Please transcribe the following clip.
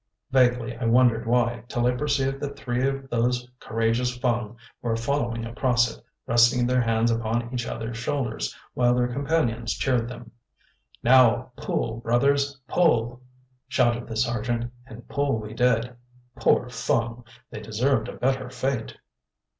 Vaguely I wondered why, till I perceived that three of those courageous Fung were following across it, resting their hands upon each other's shoulders, while their companions cheered them. "Now, pull, brothers, pull!" shouted the Sergeant, and pull we did. Poor Fung! they deserved a better fate.